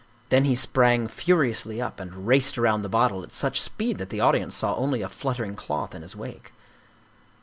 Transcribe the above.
Then he sprang furiously up and raced around the bottle at such speed that the audience saw only a fluttering cloth in his wake.